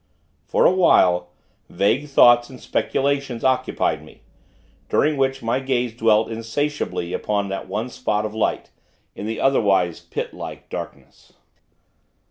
For a while, vague thoughts and speculations occupied me, during which my gaze dwelt insatiably upon that one spot of light, in the otherwise pitlike darkness.